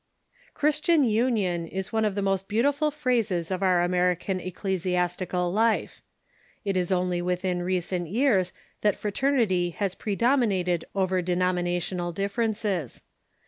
Christian union is one of the most beautiful phases of our American ecclesiastical life. It isonljMvithin recent years that fraternity has predominated over denominational Christian Union ."' i i .1 i • i * differences.